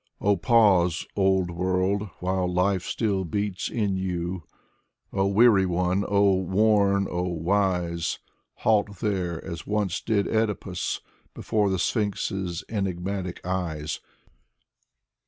Oh pause, old world, while life still beats in you. Oh weary one, oh worn, oh wise! Halt here, as once did CEdipus Before the Sphinx's enigmatic eyes.